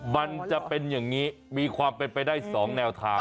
มันจะเป็นอย่างนี้มีความเป็นไปได้๒แนวทาง